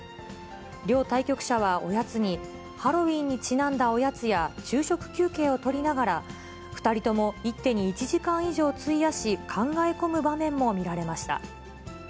両対局者はおやつに、ハロウィンにちなんだおやつや、昼食休憩をとりながら、２人とも一手に１時間以上費やし、考え込む場面も見られました。